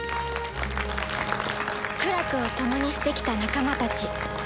苦楽を共にしてきた仲間たち